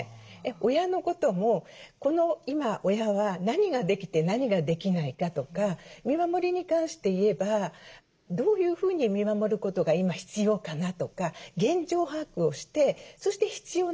親のこともこの今親は何ができて何ができないかとか見守りに関して言えばどういうふうに見守ることが今必要かなとか現状把握をしてそして必要なところにですね